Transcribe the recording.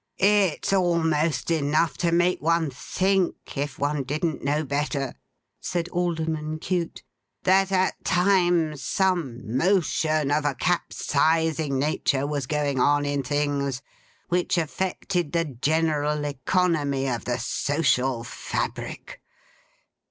'It's almost enough to make one think, if one didn't know better,' said Alderman Cute, 'that at times some motion of a capsizing nature was going on in things, which affected the general economy of the social fabric.